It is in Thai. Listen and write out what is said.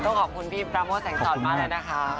ขอบคุณพี่ปราโมทแสงสอนมากแล้วนะคะ